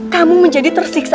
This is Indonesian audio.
kamu menjadi tersiksa